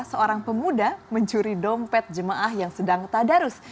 seorang pemuda mencuri dompet jemaah yang sedang tadarus